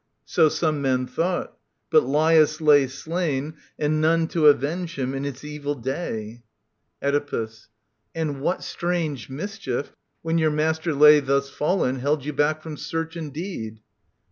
So some men thought. But Lai'us lay slain. And none to avenge him in his evil day. 9 SOPHOCLES VT. i2g i48 Oedipus. And what strange mischief, when your master lay Thus fallen, held you back from search and deed